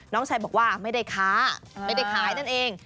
น้องชายบอกว่าไม่ได้ค้าไม่ได้ขายนั่นเอง